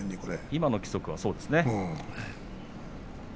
今の規則はそうですね。